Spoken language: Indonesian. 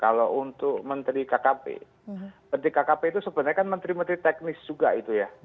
kalau untuk menteri kkp menteri kkp itu sebenarnya kan menteri menteri teknis juga itu ya